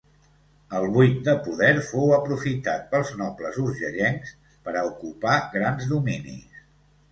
El buit de poder fou aprofitat pels nobles urgellencs per a ocupar grans dominis.